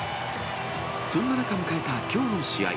そんな中迎えたきょうの試合。